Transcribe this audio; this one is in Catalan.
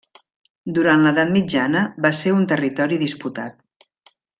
Durant l'edat mitjana va ser un territori disputat.